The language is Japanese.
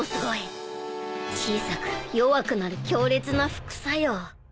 小さく弱くなる強烈な副作用。